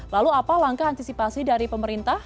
lalu apa langkah antisipasi dari pemerintah